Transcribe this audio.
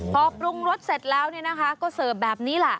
พอปรุงรสเสร็จแล้วเนี่ยนะคะก็เสิร์ฟแบบนี้ล่ะ